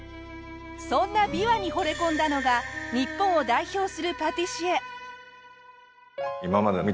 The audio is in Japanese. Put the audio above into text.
そんなビワに惚れ込んだのが日本を代表するパティシエ。